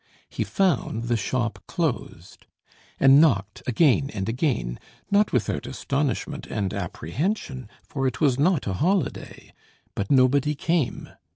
He found the shop closed, and knocked again and again, not without astonishment and apprehension, for it was not a holiday; but nobody came.